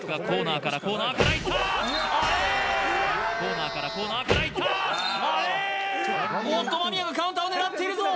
コーナーからコーナーからいった！